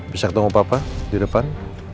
bisa ketemu papa di depan